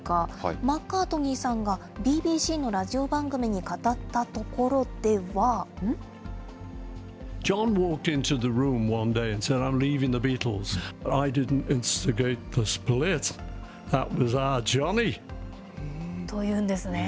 マッカートニーさんが、ＢＢＣのラジオ番組に語ったところでは。というんですね。